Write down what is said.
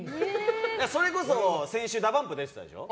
それこそ、先週ＤＡＰＵＭＰが出てたでしょ。